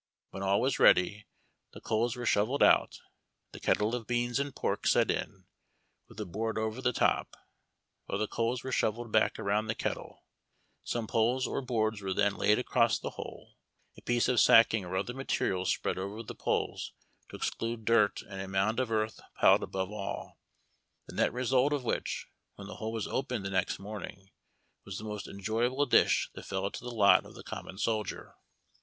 Wlien all was ready, the coals were shovelled out, the kettle of beans and pork set in, with a board over the top, while the coals were shovelled back around the kettle ; some poles or boards were then laid across the hole, a piece of sacking or other material sj^read over the poles to exclude dirt, and a mound of earth piled above all; the net result of which, when the hole was opened the next morning, was the most enjoyable dish that fell to the lot of the common soldier.